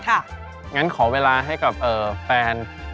งั้นขอเวลาให้กับแฟน